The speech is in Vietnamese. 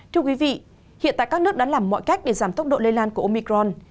thưa quý vị hiện tại các nước đã làm mọi cách để giảm tốc độ lây lan của omicron